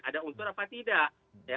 ada unsur apa tidak